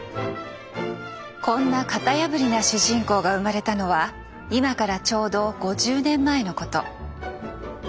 こんな型破りな主人公が生まれたのは今からちょうど５０年前のこと。